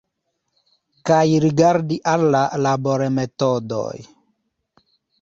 Kaj rigardi al la labormetodoj.